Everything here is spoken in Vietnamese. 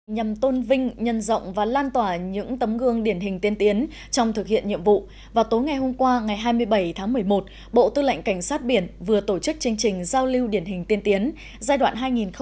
nhằm tôn vinh nhân rộng và lan tỏa những tấm gương điển hình tiên tiến trong thực hiện nhiệm vụ vào tối ngày hôm qua ngày hai mươi bảy tháng một mươi một bộ tư lệnh cảnh sát biển vừa tổ chức chương trình giao lưu điển hình tiên tiến giai đoạn hai nghìn một mươi chín hai nghìn hai mươi